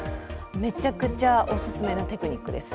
めちゃくちゃオススメのテクニックです。